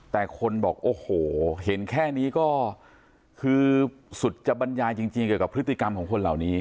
แต่คนบอกโอ้โหเห็นแค่นี้ก็คือสุจบรรยายจริงเกี่ยวกับพฤติกรรมของคนเหล่านี้